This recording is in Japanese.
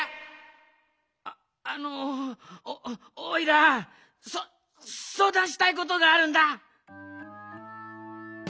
ああのおいらそそうだんしたいことがあるんだ！